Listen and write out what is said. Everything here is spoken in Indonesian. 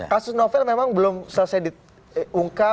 kasus novel memang belum selesai diungkap